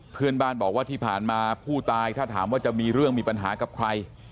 เพื่อนบ้านบอกว่าที่ผ่านมาผู้ตายถ้าถามว่าจะมีเรื่องมีปัญหากับใคร